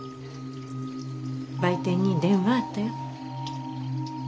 売店に電話あったよ。